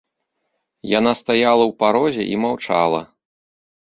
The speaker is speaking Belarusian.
Яна стаяла ў парозе і маўчала.